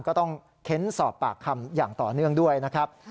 ก็ต้องเค้นสอบปากคำอย่างต่อเนื่องด้วยนะครับ